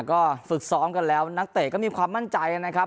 ก็ฝึกซ้อมกันแล้วนักเตะก็มีความมั่นใจนะครับ